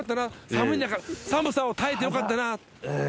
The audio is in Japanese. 「寒い中寒さを耐えてよかったな」